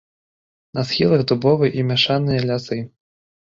На схілах дубовыя і мяшаныя лясы.